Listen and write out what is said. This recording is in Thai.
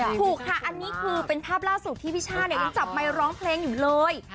อันนี้คือเป็นภาพล่าสุดที่พี่ช่ายังจับไมร้องเพลงอยู่เลย